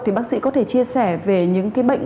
thì bác sĩ có thể chia sẻ về những cái bệnh